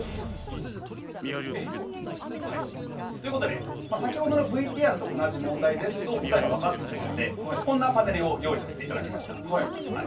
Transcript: えっ？ということで先ほどのＶＴＲと同じ問題ですと答えが分かってしまいますのでこんなパネルを用意させていただきました。